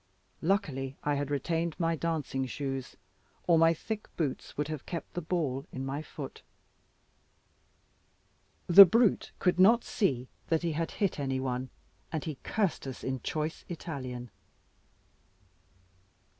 Luckily I had retained my dancing shoes, or my thick boots would have kept the ball in my foot. The brute could not see that he had hit any one, and he cursed us in choice Italian.